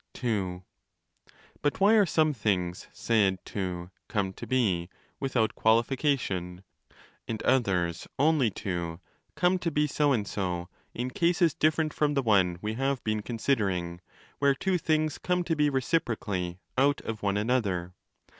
(ii) But why are some things said to 'come to be' with out qualification, and others only to 'come to be so and so', in cases different from the one we have been considering where two things come to be reciprocally out of one another?